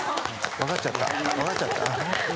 分かっちゃった？